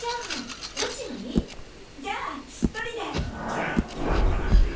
じゃあパラパラで。